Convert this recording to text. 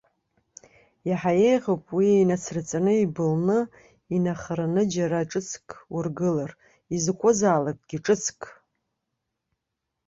Иаҳа еиӷьуп уи инацраҵаны ибылны, инахараны џьара ҿыцк ургылар, изакәызаалакгьы ҿыцк!